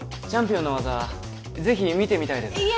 チャンピオンの技ぜひ見てみたいです